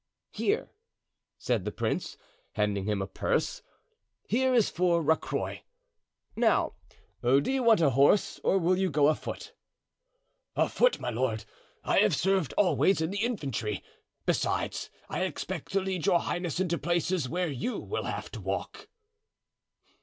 "Here," said the prince, handing him a purse, "here is for Rocroy. Now, do you want a horse, or will you go afoot?" "Afoot, my lord; I have served always in the infantry. Besides, I expect to lead your highness into places where you will have to walk."